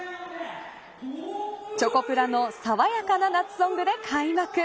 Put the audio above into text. チョコプラの爽やかな夏ソングで開幕。